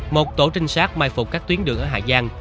một tổ trinh sát mai phục các tuyến đường ở hà giang